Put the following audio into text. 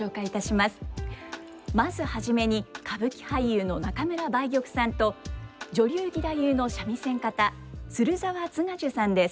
まず初めに歌舞伎俳優の中村梅玉さんと女流義太夫の三味線方鶴澤津賀寿さんです。